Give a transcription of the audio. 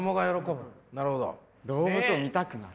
「動物を見たくなる」。